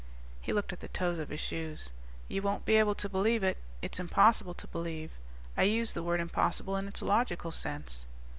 _He looked at the toes of his shoes. "You won't be able to believe it. It's impossible to believe. I use the word impossible in its logical sense.